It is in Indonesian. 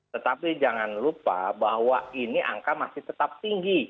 tetapi jangan lupa bahwa ini angka masih tetap tinggi